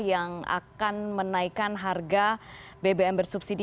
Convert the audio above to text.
yang akan menaikkan harga bbm bersubsidi